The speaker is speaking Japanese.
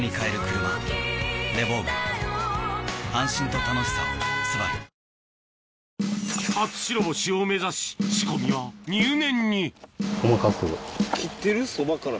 島場所初白星を目指し仕込みは入念に細かく。